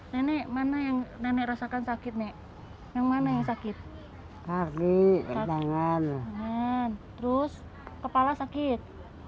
nenek mana yang nenek rasakan sakit nih yang mana yang sakit kaki tangan terus kepala sakit